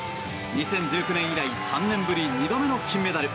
２０１９年以来３年ぶり２度目の金メダル。